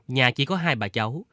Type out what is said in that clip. nhà chỉ có hai bà cháu